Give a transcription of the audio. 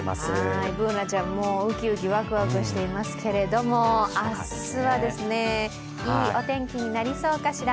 Ｂｏｏｎａちゃんもウキウキワクワクしていますけれども明日はいいお天気になりそうかしら。